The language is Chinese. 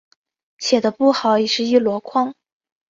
写的不好的也是一箩筐